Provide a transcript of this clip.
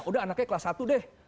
udah anaknya kelas satu deh